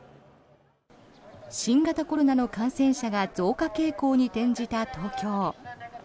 新型コロナの感染者が増加傾向に転じた東京。